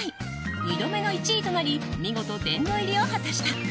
２度目の１位となり見事、殿堂入りを果たした。